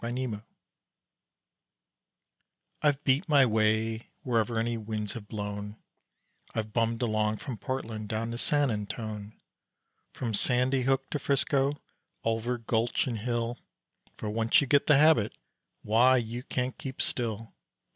THE HABIT I've beat my way wherever any winds have blown, I've bummed along from Portland down to San Antone, From Sandy Hook to Frisco, over gulch and hill; For once you git the habit, why, you can't keep still.